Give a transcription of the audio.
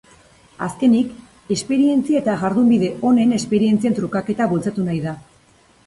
Azkenik, esperientzia eta jardunbide onen esperientzien trukaketa bultzatu nahi da.